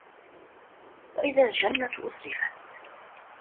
وَإِذَا الجَنَّةُ أُزلِفَت